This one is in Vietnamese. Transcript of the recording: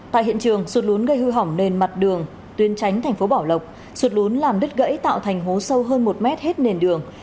tại hiện trường sụt lún gây hư hỏng nền mặt đường tuyến tránh thành phố bảo lộc sụt lún làm đứt gãy tạo thành hố sâu hơn một mét hết nền đường